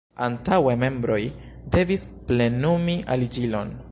Antaŭe membroj devis plenumi aliĝilon.